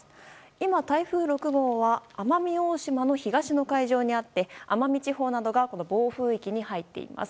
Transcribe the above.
今、台風６号は奄美大島の東の海上にあって奄美地方などが暴風域に入っています。